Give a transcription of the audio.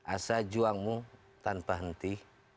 asal juangmu tanpa henti